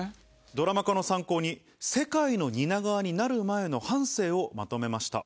ドラマ化の参考に世界の蜷川になる前の半生をまとめました。